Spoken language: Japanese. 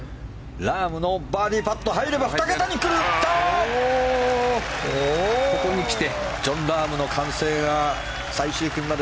ラームのバーディーパット入れば２桁に来る。